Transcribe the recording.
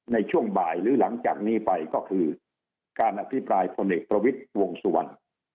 ในช่วงบ่ายหรือหลังจากนี้ไปก็คือการอภิปรายพลเอกประวิทย์วงสุวรรณ